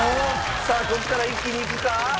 さあここから一気にいくか？